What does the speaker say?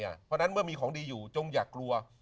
เพราะฉะนั้นเมื่อมีของดีอยู่จงอยากกลัว